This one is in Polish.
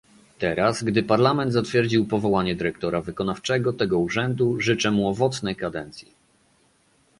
Teraz, gdy Parlament zatwierdził powołanie dyrektora wykonawczego tego urzędu, życzę mu owocnej kadencji